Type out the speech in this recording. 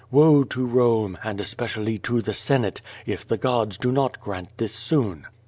Woe to Rome, and es pecially to the Senate, if the gods do not grant this soon.